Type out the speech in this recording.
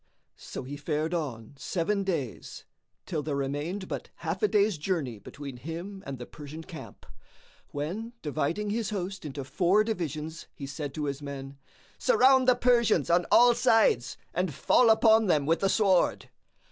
So he fared on seven days, till there remained but half a day's journey between him and the Persian camp; when, dividing his host into four divisions he said to his men, "Surround the Persians on all sides and fall upon them with the sword."